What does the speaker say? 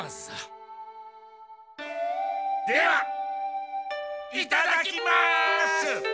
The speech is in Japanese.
ではいただきます！